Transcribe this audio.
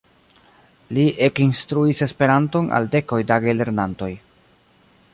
Li ekinstruis Esperanton al dekoj da gelernantoj.